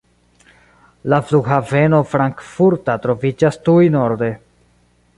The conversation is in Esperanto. La Flughaveno Frankfurta troviĝas tuj norde.